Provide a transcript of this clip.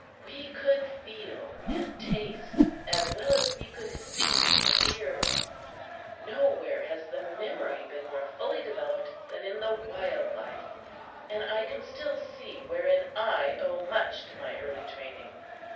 We could feel and taste as well as we could see and hear. Nowhere has the memory been more fully developed than in the wild life, and I can still see wherein I owe much to my early training.